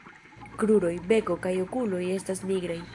Kruroj, beko kaj okuloj estas nigraj.